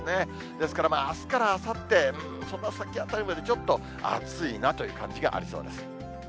ですからあすからあさって、その先あたりまで、ちょっと暑いなという感じがありそうです。